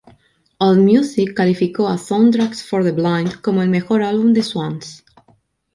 Allmusic calificó a Soundtracks for the Blind como el mejor álbum de Swans.